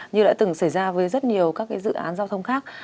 như đã từng xảy ra với rất nhiều các dự án giao thông khác